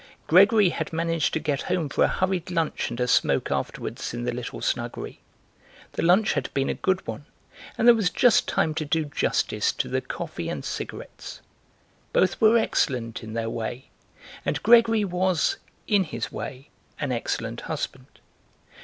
Gregory had managed to get home for a hurried lunch and a smoke afterwards in the little snuggery; the lunch had been a good one, and there was just time to do justice to the coffee and cigarettes. Both were excellent in their way, and Gregory was, in his way, an excellent husband.